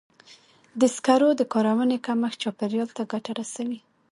د سکرو د کارونې کمښت چاپېریال ته ګټه رسوي.